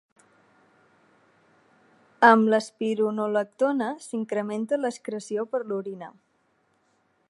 Amb l'espironolactona s'incrementa l'excreció per l'orina.